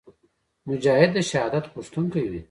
مجاهد د شهادت غوښتونکی وي.